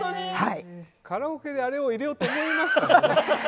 カラオケで、あれを入れようと思いますかね。